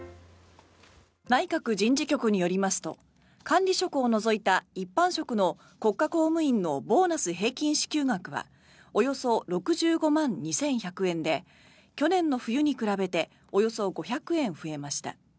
内閣人事局によりますと管理職を除いた一般職の国家公務員のボーナス平均支給額はおよそ６５万２１００円で去年の冬に比べておよそ５００円増えました。